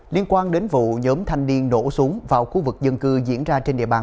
liên quan đến vụ nhóm thanh niên nổ súng vào khu vực dân cư diễn ra trên địa bàn